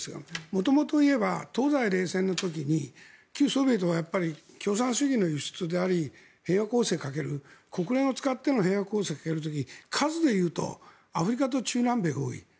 元々を言えば東西冷戦の時に旧ソビエトが共産主義の輸出であり平和攻勢をかける国連を使っての平和攻勢をかける時に数でいうとアフリカと中南米が多い。